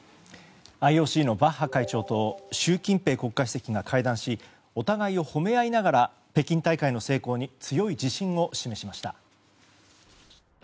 ＩＯＣのバッハ会長と習近平国家主席が会談し、お互いを褒め合いながら北京大会の成功に強い自信を示しました。